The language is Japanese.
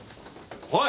おい！